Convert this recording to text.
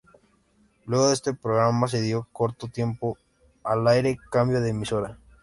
Luego de este programa, de corto tiempo al aire, cambió de emisora.